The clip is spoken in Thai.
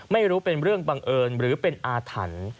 ไม่รู้เป็นเรื่องบังเอิญหรือเป็นอาถรรพ์